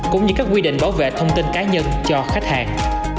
cũng như các quy định bảo vệ thông tin cá nhân cho khách hàng